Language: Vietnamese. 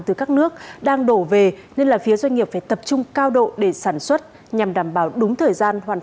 từ các nước đang đổ về nên phía doanh nghiệp phải tập trung cao độ để sản xuất